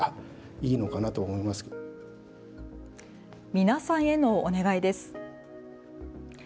皆さんへのお願いです。